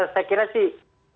saya kira sih